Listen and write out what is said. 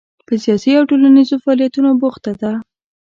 په سیاسي او ټولنیزو فعالیتونو بوخته ده.